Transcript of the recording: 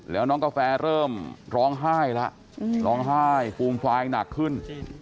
แล้วน้องกาแฟเริ่มร้องไห้แล้วร้องไห้ฟูมฟายหนักขึ้น